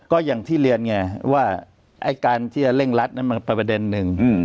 ก็อย่างที่เรียนไงว่าไอ้การที่จะเร่งรัดนั้นมันเป็นประเด็นหนึ่ง